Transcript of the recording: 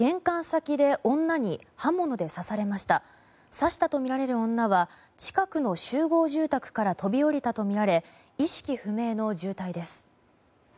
刺したとみられる女は近くの集合住宅から飛び降りたとみられ意識不明の重体です。